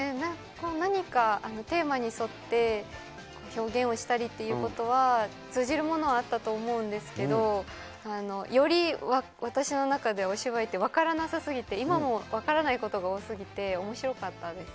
何かテーマに沿って表現をしたりということは、通じるものはあったと思うんですけど、より私の中でお芝居って分からなさすぎて、今も分からないことが多すぎて、おもしろかったです。